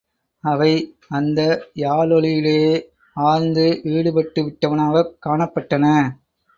அவை அந்த யாழொலியிலே ஆழ்ந்து ஈடுபட்டுவிட்டனவாகக் காணப்பட்டன.